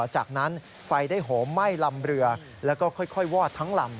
จากนั้นไฟได้โหมไหม้ลำเรือแล้วก็ค่อยวอดทั้งลำ